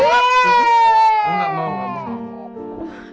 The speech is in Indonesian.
biar dia bisa sembuh ya